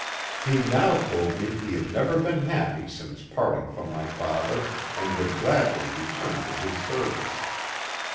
He now told me he had never been happy since parting from my fa ther, and would gladly return to his service.